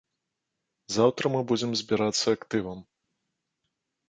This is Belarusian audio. Заўтра мы будзем збірацца актывам.